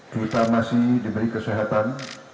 kita masih diberi kesehatan